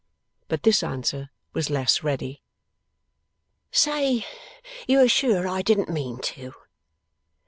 But this answer was less ready. 'Say you are sure I didn't mean to.